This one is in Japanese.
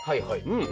うん！